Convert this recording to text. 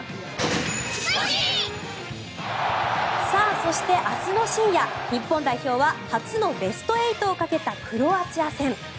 そして、明日の深夜日本代表は初のベスト８をかけたクロアチア戦。